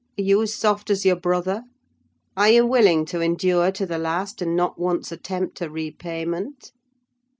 Are you as soft as your brother? Are you willing to endure to the last, and not once attempt a repayment?